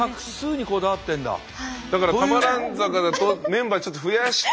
だから多摩蘭坂だとメンバーちょっと増やして。